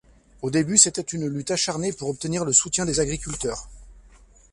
Au début, c'était une lutte acharnée pour obtenir le soutien des agriculteurs.